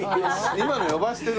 今の呼ばせてるわ。